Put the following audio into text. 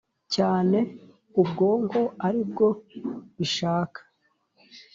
cyane ubwonko ari bwo bishaka